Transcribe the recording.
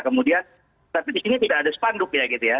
kemudian tapi di sini tidak ada spanduk ya gitu ya